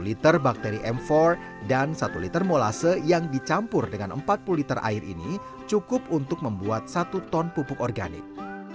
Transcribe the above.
satu liter bakteri m empat dan satu liter molase yang dicampur dengan empat puluh liter air ini cukup untuk membuat satu ton pupuk organik